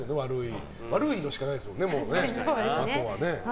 悪いのしかないですからね。